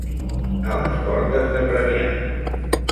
A les portes de Premià.